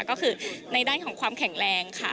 ก็คือในด้านของความแข็งแรงค่ะ